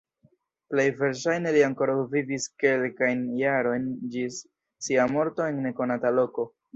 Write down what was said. Plej verŝajne li ankoraŭ vivis kelkajn jarojn ĝis sia morto en nekonata loko.